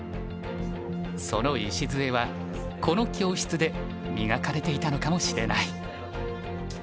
その礎はこの教室で磨かれていたのかもしれない。